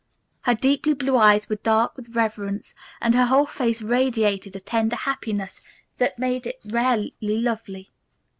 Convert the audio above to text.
Her deeply blue eyes were dark with reverence and her whole face radiated a tender happiness that made it rarely lovely.